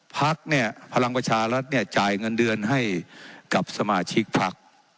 พักเนี่ยพลังประชารัฐเนี่ยจ่ายเงินเดือนให้กับสมาชิกพัก